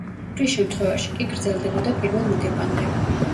ფრის შემთხვევაში კი გრძელდებოდა პირველ მოგებამდე.